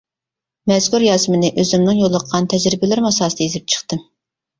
مەزكۇر يازمىنى ئۆزۈمنىڭ يولۇققان تەجرىبىلىرىم ئاساسىدا يېزىپ چىقتىم.